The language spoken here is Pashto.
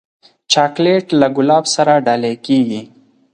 چاکلېټ له ګلاب سره ډالۍ کېږي.